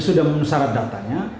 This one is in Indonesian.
sudah memenuhi syarat datanya